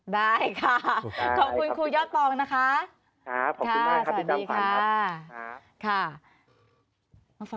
ได้ค่ะขอบคุณครูยอดปองนะคะสวัสดีค่ะค่ะสวัสดีค่ะค่ะสวัสดีค่ะ